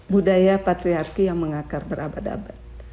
budaya patriarki yang mengakar berabad abad